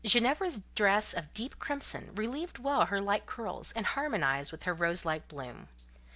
Ginevra's dress of deep crimson relieved well her light curls, and harmonized with her rose like bloom.